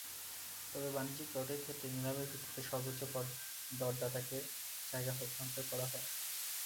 তবে বাণিজ্যিক প্লটের ক্ষেত্রে নিলামের ভিত্তিতে সর্বোচ্চ দরদাতাকে জায়গা হস্তান্তর করা হয়।